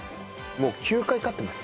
もう９回勝ってます。